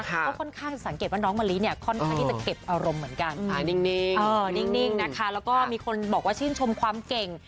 ก็ค่อนข้างจะสังเกตว่าน้องมะลิเนี่ยค่อนข้างที่จะเก็บอารมณ์เหมือนกันนิ่งนะคะแล้วก็มีคนบอกว่าชื่นชมความเก่ง